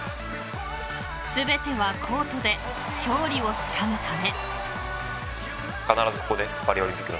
全てはコートで勝利をつかむため。